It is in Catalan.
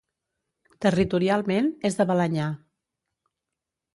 Territorialment, és de Balenyà.